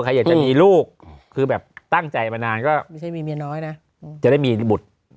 ใครอยากจะมีลูกคือแต่จะตั้งใจมานานก็จะได้มีบุตร